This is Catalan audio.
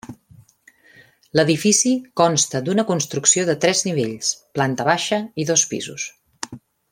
L'edifici consta d'una construcció de tres nivells, planta baixa i dos pisos.